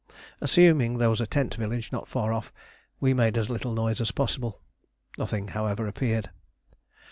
Assuming there was a tent village not far off, we made as little noise as possible. Nothing however appeared.